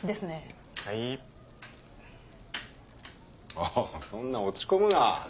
アハハそんな落ち込むな。